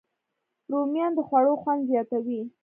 رومیان د خوړو خوند زیاتوي